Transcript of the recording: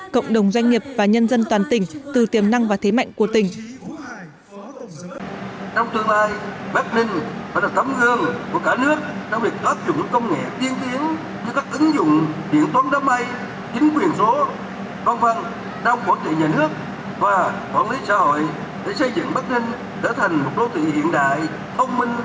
cộng đồng doanh nghiệp và nhân dân toàn tỉnh từ tiềm năng và thế mạnh của tỉnh